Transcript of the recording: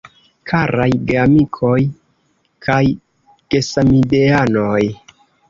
Karaj geamikoj kaj gesamideanoj.